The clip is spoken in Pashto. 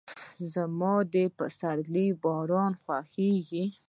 زه د پسرلي باران خوښوم.